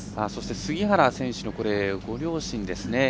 杉原選手のご両親ですね。